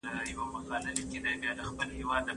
اقتصاد د کورنیو مصرف او پسانداز مطالعه کوي.